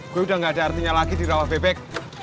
gue udah gak ada artinya lagi di rawah bebek